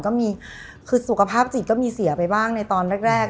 ก็คือสุขภาพจิตก็มีเสียไปบ้างในตอนแรก